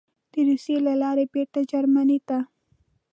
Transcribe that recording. د روسیې له لارې بېرته جرمني ته: